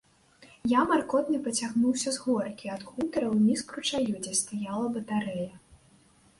Я маркотны пацягнуўся з горкі, ад хутара, уніз к ручаю, дзе стаяла батарэя.